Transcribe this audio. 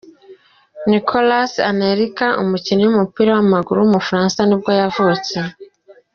Nicolas Anelka, umukinnyi w’umupira w’amaguru w’umufaransa nibwo yavutse.